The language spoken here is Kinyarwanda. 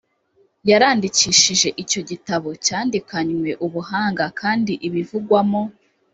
yarandikishije icyo gitabo cyandikanywe ubuhanga kandi ibivugwamo